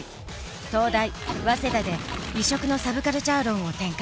東大早稲田で異色のサブカルチャー論を展開。